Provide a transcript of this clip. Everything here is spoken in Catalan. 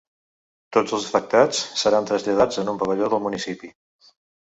Tots els afectats seran traslladats en un pavelló del municipi.